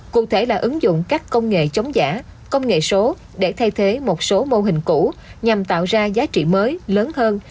cụ thể là ứng dụng các công nghệ chống giả công nghệ số để thay thế một số mô hình cũ nhằm tạo ra giá trị mới lớn hơn